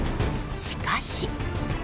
しかし。